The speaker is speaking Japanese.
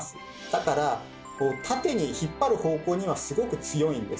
だから縦に引っ張る方向にはすごく強いんです。